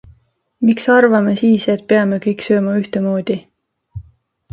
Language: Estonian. Miks arvame siis, et peame kõik sööma ühtemoodi?